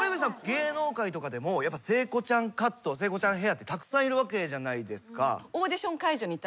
芸能界とかでも聖子ちゃんカット聖子ちゃんヘアってたくさんいるわけじゃないですか。